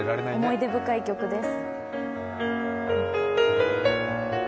思い出深い曲です。